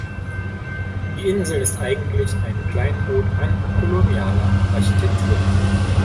Die Insel ist eigentlich ein Kleinod an kolonialer Architektur.